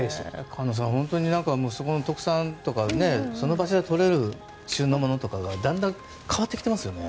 菅野さん、本当に特産とかその場所でとれるものがだんだん変わってきていますよね。